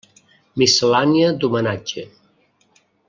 Miscel·lània d'homenatge.